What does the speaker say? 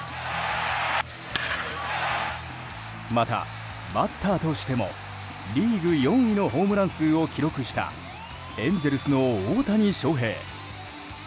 また、バッターとしてもリーグ４位のホームラン数を記録したエンゼルスの大谷翔平。